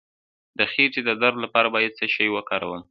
د خیټې د درد لپاره باید څه شی وکاروم؟